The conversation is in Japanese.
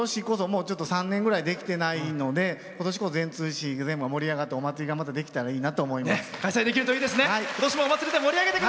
３年ぐらいできてないので今年こそ善通寺市盛り上がってお祭りができたらいいなと思います。